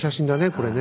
これね。